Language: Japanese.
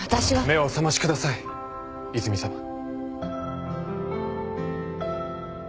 ・目をお覚ましください泉さま。